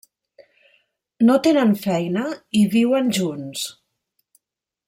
No tenen feina i viuen junts.